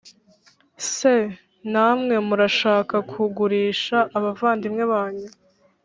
se namwe murashaka kugurisha abavandimwe banyu